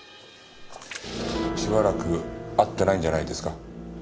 しばらく会ってないんじゃないですか？